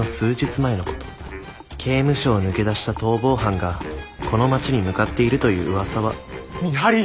刑務所を抜け出した逃亡犯がこの町に向かっているという噂は見張り。